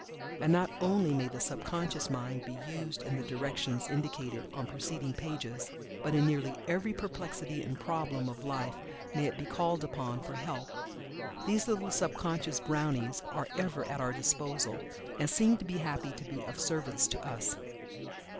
And not only may the sub conscious mind be used in the directions indicated on preceding pages, but in nearly every perplexity and problem of life may it be called upon for help. These little sub conscious brownies are ever at our disposal, and seem to be happy to be of service to us.